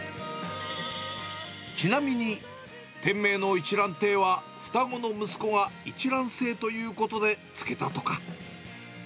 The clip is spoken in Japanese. ちなみに、店名の一卵亭は、双子の息子が一卵性ということで、つけたとか。